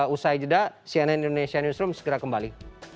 usai jeda cnn indonesia newsroom segera kembali